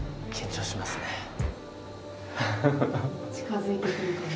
近づいてくる感じ。